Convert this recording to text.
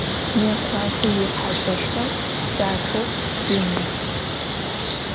Mıêkhuape yihaç'eşxer daxex, yinıx.